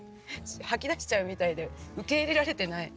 吐き出しちゃうみたいで受け入れられてない。